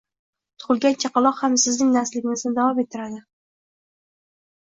Tugʻilgan chaqaloq ham sizning naslingizni davom ettiradi